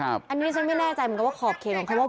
อันนี้ฉันไม่แน่ใจเหมือนกันว่าขอบเขตของเขาว่า